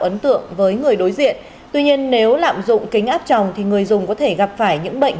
người đối diện tuy nhiên nếu lạm dụng kính áp trồng thì người dùng có thể gặp phải những bệnh